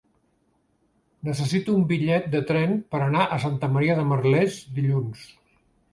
Necessito un bitllet de tren per anar a Santa Maria de Merlès dilluns.